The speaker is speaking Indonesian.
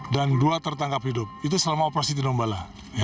dan dua tertangkap hidup itu selama operasi tiongbala